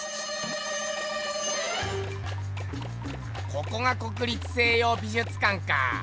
ここが国立西洋美術館か。